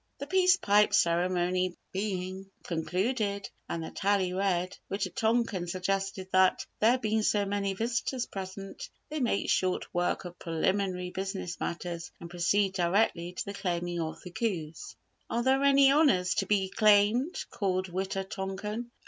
The peace pipe ceremony being concluded and the Tally read, Wita tonkan suggested that, there being so many visitors present, they make short work of preliminary business matters and proceed directly to the claiming of the Coups. "Are there any Honours to be claimed?" called Wita tonkan.